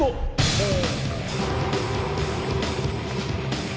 ほう！